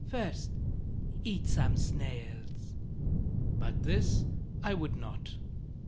First, eat some snails." But this I would not.